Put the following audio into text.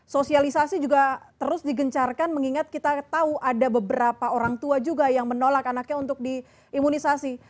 sosialisasi juga terus digencarkan mengingat kita tahu ada beberapa orang tua juga yang menolak anaknya untuk diimunisasi